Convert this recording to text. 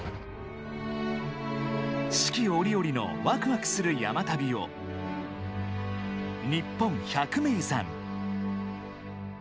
四季折々のワクワクする山旅を「にっぽん百名山」。